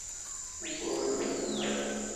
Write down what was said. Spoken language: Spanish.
No puedo dejar de temblar.